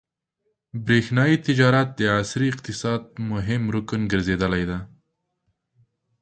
برېښنايي تجارت د عصري اقتصاد مهم رکن ګرځېدلی دی.